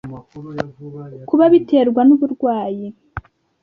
kuba biterwa n’uburwayi.